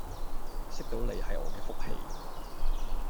識到你係我嘅福氣